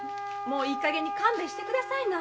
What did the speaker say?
もういいかげんに勘弁してくださいな。